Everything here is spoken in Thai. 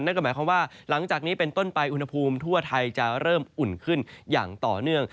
นั่นก็หมายความว่าหลังจากนี้เป็นต้นไปอุณหภูมิทั่วไทยจะเริ่มอุ่นขึ้นอย่างต่อเนื่อง